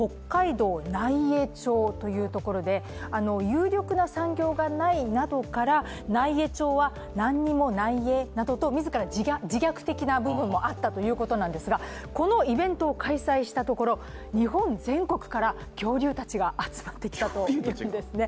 有力な産業がないなどから奈井江町は、なんにもないえなどと、自ら自虐的な部分もあったということなんですがこのイベントを開催したところ日本全国から恐竜たちが集まってきたというんですね。